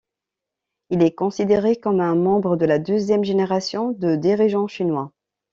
Il est considéré comme un membre de la Deuxième Génération de dirigeants Chinois.